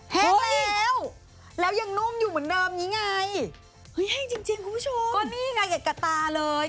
แห้งแล้วแล้วยังนุ่มอยู่เหมือนเดิมอย่างนี้ไงเฮ้ยแห้งจริงจริงคุณผู้ชมก็นี่ไงกับตาเลย